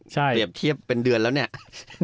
เปรียบเทียบเป็นเดือนแล้วเนี่ย